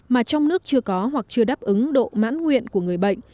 mà trong nước chưa có hoặc chưa đáp ứng độ mãn nguyện của người bệnh